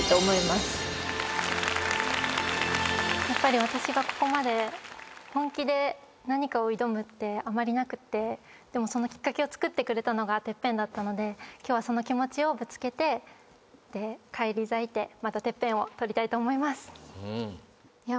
やっぱり私がここまで本気で何かを挑むってあまりなくってでもそのきっかけをつくってくれたのがＴＥＰＰＥＮだったので今日はその気持ちをぶつけて返り咲いてまたＴＥＰＰＥＮを取りたいと思います。